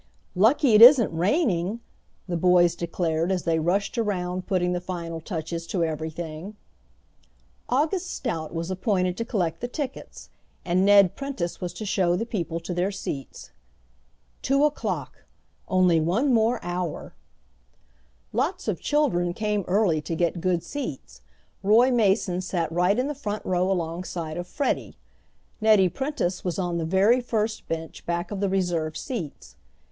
"Lucky it isn't raining," the boys declared as they rushed around putting the final touches to everything. August Stout was appointed to collect the tickets, and Ned Prentice was to show the people to their seats. Two o'clock! Only one hour more! Lots of children came early to get good seats. Roy Mason sat right in the front row alongside of Freddie. Nettie Prentice was on the very first bench back of the reserved seats.